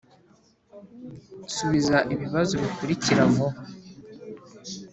subiza ibibazo bikurikira vuba